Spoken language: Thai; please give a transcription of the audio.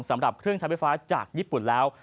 สำหรับเครื่องใช้ไฟฟ้าจากญี่ปุ่นแล้ว